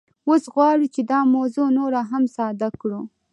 اوس غواړو چې دا موضوع نوره هم ساده کړو